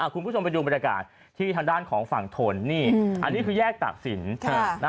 คุณผู้ชมไปดูบริการทางด้านของฝั่งธนอันนี้คือแยกตักศิลป์